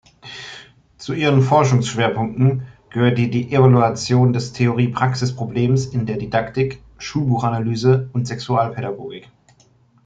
Zu ihren Forschungsschwerpunkten gehören die Evaluation des Theorie-Praxis-Problems in der Didaktik, Schulbuch-Analyse und Sexualpädagogik.